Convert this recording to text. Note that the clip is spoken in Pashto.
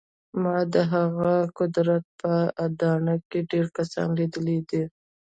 ما د همدغه قدرت په اډانه کې ډېر کسان لیدلي دي